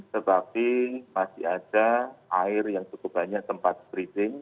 tetapi masih ada air yang cukup banyak tempat streeding